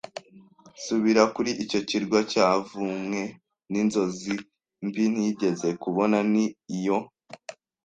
subira kuri icyo kirwa cyavumwe; n'inzozi mbi nigeze kubona ni iyo